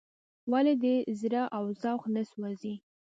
ولې د ده زړه او ذوق نه سوزي.